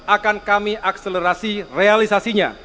akan kami akselerasi realisasinya